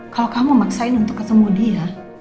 kalo kamu maksain untuk ketemu dia